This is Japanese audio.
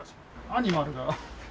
アニマルが。